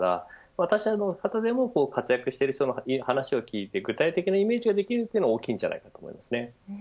他社でも活躍している人の話を聞いて具体的なイメージをできるのが大きいと思います。